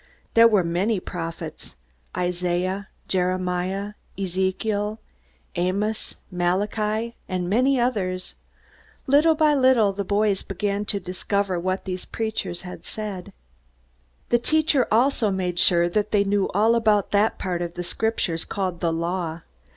There were many prophets Isaiah, Jeremiah, Ezekiel, Amos, Malachi, and many others. Little by little the boys began to discover what these preachers had said. The teacher also made sure that they knew about that part of the Scriptures called the Law.